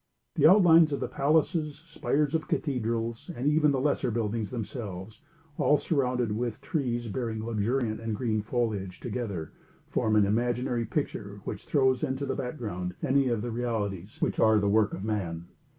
The outlines of the palaces, spires of cathedrals, and even the lesser buildings themselves, all surrounded with trees, bearing luxuriant and green foliage, together, form an imaginary picture which throws into the background any of the realities which are the work of man.